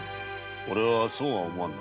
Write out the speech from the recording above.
オレはそうは思わんな。